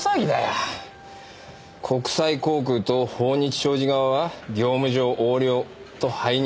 国際航空と豊日商事側は業務上横領と背任。